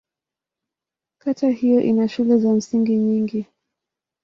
Kata hiyo ina shule za msingi nyingi.